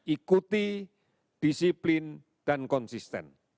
ikuti disiplin dan konsisten